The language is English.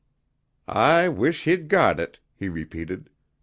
"I wish he'd got it," he repeated.